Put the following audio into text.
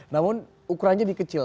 namun ukurannya dikecil